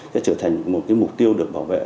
sẽ trở thành một cái mục tiêu được bảo vệ